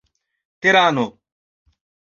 terano